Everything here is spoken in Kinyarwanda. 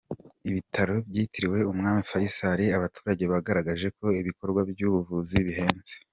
Ibitaro byitiriwe umwami fayisari Abaturage bagaragaje ko ibikorwa by’ubuvuzi bihenze